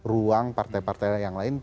ruang partai partai yang lain